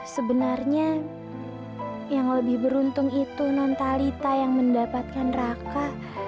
sebenarnya yang lebih beruntung itu nontalita yang mendapatkan raka